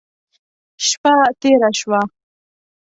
شپه تېره شوه.